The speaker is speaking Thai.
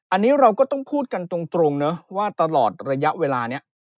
อันนี้เราก็ต้องพูดกันตรงนะว่าตลอดระยะเวลานี้